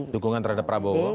dukungan terhadap prabowo